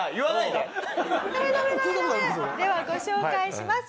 ではご紹介します。